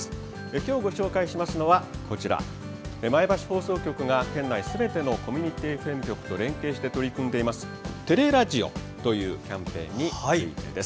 今日ご紹介しますのはこちら、前橋放送局が県内のすべてのコミュニティＦＭと連携して取り組んでいます「てれらじお」というキャンペーンについてです。